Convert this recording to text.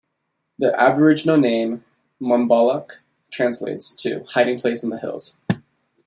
The Aboriginal name, "Monbolloc" translates as 'hiding place in the hills'.